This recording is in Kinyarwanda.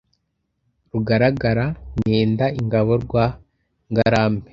Rugaragara nenda ingabo rwa Ngarambe,